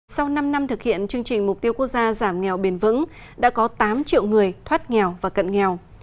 sau năm năm thực hiện chương trình mục tiêu quốc gia giảm nghèo bền vững đã có tám triệu người thoát nghèo và cận nghèo